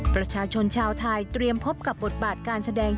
ประชาชนชาวไทยเตรียมพบกับบทบาทการแสดง